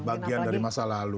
bagian dari masa lalu